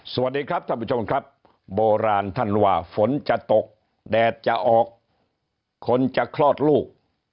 สวัสดีครับท่านผู้ชมครับโบราณท่านว่าฝนจะตกแดดจะออกคนจะคลอดลูก